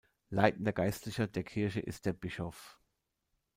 Leitender Geistlicher der Kirche ist der Bischof.